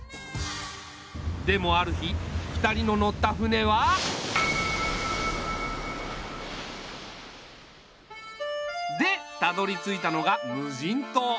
でもある日２人の乗った船は。でたどりついたのが無人島。